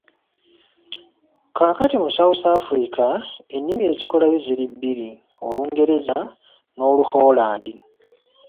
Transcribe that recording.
Kaakati mu South Africa ennimi ezikolayo ziri bbiri: Olungereza n'Oluholandi.